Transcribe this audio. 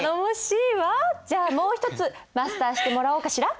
じゃあもう一つマスターしてもらおうかしら。